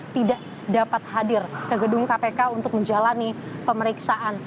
tidak dapat hadir ke gedung kpk untuk menjalani pemeriksaan